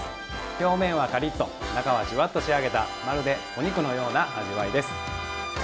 表面はカリッと中はジュワッと仕上げたまるでお肉のような味わいです。